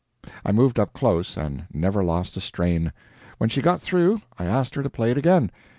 I moved up close, and never lost a strain. When she got through, I asked her to play it again.